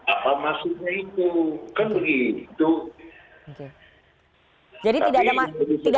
apa maksudnya itu